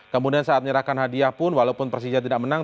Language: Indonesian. kemudian saat menyerahkan hadiah pun walaupun persija tidak menang